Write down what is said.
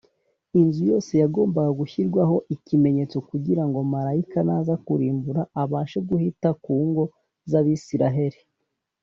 . Inzu yose yagombaga gushyirwaho ikimenyetso, kugira ngo marayika naza kurimbura, abashe guhita ku ngo z’Abisiraheli.